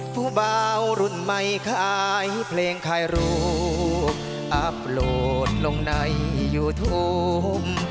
ผู้เบารุ่นไม่คลายเพลงคลายรูปอัพโหลดลงในยูทูป